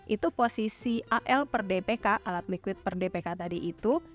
itu posisi al per dpk alat liquid per dpk tadi itu